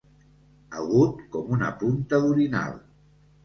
Agut com una punta d'orinal.